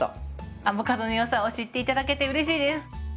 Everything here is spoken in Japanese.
アボカドの良さを知って頂けてうれしいです！